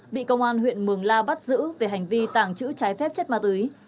bị công an huyện mường la bắt giữ về hành vi tàng trữ trái phép chất ma túy